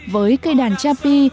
với cây đàn cha pi